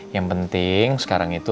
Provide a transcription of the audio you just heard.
yang penting sekarang ini